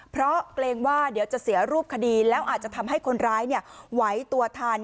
เพราะเกรงว่าเดี๋ยวจะเสียรูปคดีแล้วอาจจะทำให้คนร้ายไหวตัวทัน